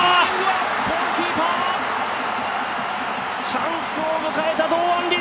チャンスを迎えた堂安律。